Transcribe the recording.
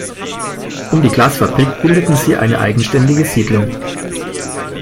Um die Glasfabrik bildeten sie eine eigenständige Siedlung.